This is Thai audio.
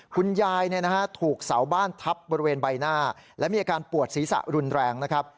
คุณยายถูกเสาบ้านทับบริเวณใบหน้าและมีอาการปวดศีรษะรุนแรงนะครับ